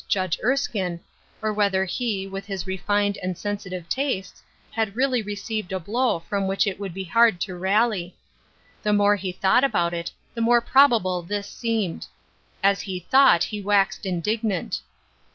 Judge Erskine, or whether he, with his refined and sensitive tastes, had really received a blow from which it would be hard to rally. The more he thought about it the more probable this seemed. As he thought he waxed indig nant.